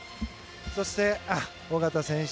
そして、小方選手。